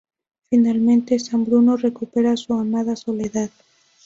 Finalmente, San Bruno recupera su amada soledad.